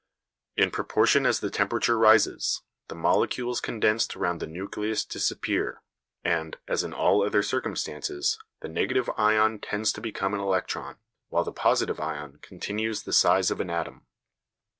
In proportion as the temperature rises, the molecules condensed round the nucleus disappear, and, as in all other circumstances, the negative ion tends to become an electron, while the positive ion continues the size of an atom.